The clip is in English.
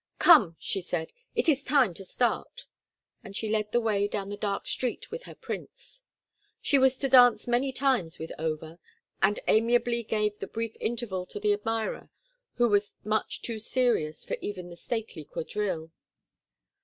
"Come!" she said. "It is time to start." And she led the way down the dark street with her prince. She was to dance many times with Over, and amiably gave the brief interval to the admirer who was much too serious for even the stately quadrille.